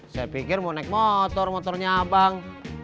saya pikir mau naik motor motornya abang